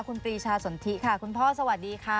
คุณปรีชาสนทิค่ะคุณพ่อสวัสดีค่ะ